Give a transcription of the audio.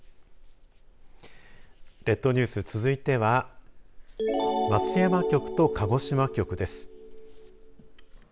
列島ニュース、続いては松山局と鹿児島局です。